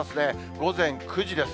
午前９時です。